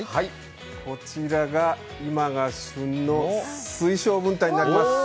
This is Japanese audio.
こちらが今が旬の水晶文旦になります。